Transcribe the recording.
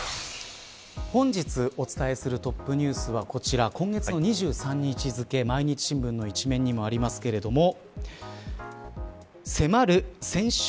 本日お伝えするトップニュースは今月の２３日付、毎日新聞の一面にもありますけれども迫る戦勝